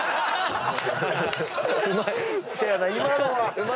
うまい。